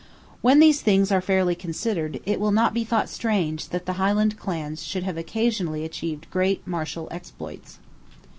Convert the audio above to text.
When these things are fairly considered, it will not be thought strange that the Highland clans should have occasionally achieved great martial exploits.